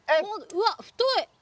うわっ太い！